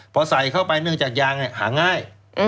พอใส่เข้าไปเนื่องจากยางหาง่าย